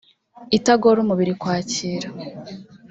itagora umubiri kwakira